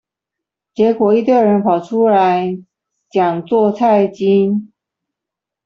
結果一堆人跑出來講做菜經